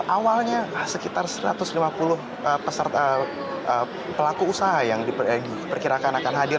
awalnya sekitar satu ratus lima puluh pelaku usaha yang diperkirakan akan hadir